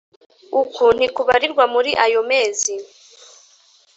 uku ntikubarirwa muri ayo mezi.